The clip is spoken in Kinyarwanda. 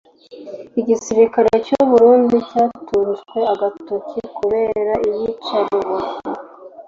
Igisirikare cy’u Burundi cyatunzwe agatoki kubera iyica rubozo